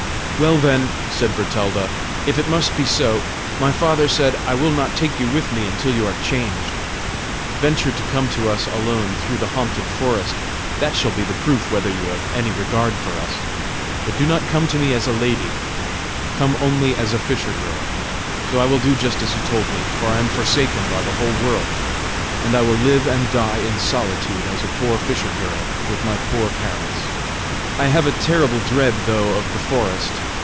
"Well, then," said Bertalda, "if it must be so, my father said, 'I will not take you with me until you are changed. Venture to come to us alone through the haunted forest; that shall be the proof whether you have any regard for us. But do not come to me as a lady; come only as a fisher girl!' So I will do just as he has told me, for I am forsaken by the whole world, and I will live and die in solitude as a poor fisher girl, with my poor parents. I have a terrible dread though of the forest.